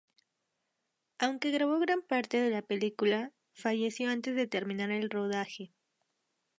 Aunque grabó gran parte de la película, falleció antes de terminar el rodaje.